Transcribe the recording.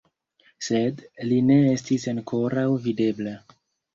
Sed li ne estis ankoraŭ videbla.